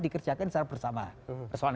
dikerjakan secara bersama persoalan